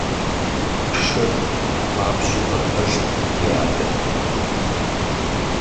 Шыр хуабжьу хуэпэжт ди адэм.